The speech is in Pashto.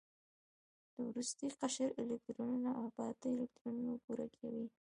د وروستي قشر الکترونونه په اته الکترونونو پوره کوي.